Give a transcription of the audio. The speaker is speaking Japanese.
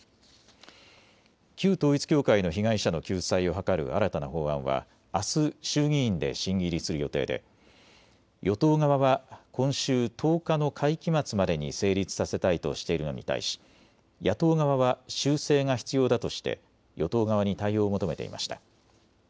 旧統一教会の被害者の救済を図る新たな法案はあす衆議院で審議入りする予定で与党側は今週１０日の会期末までに成立させたいとしているのに対し野党側は修正が必要だとして与党側に対応を求めていました。